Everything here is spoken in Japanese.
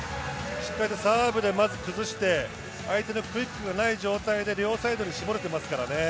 しっかりサーブで崩して相手のクイックがない状態で、両サイドに絞れてますからね。